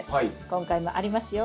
今回もありますよ。